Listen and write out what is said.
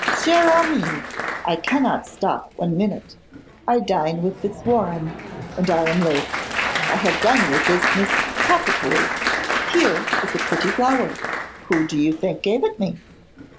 'Cher ami! I cannot stop one minute. I dine with Fitzwarrene, and I am late. I have done your business capitally. Here is a pretty flower! Who do you think gave it me?